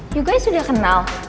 you guys sudah kenal